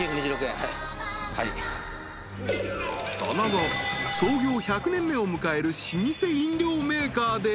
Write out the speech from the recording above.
［その後創業１００年目を迎える老舗飲料メーカーで］